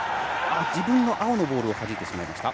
自分の青のボールをはじいてしまいました。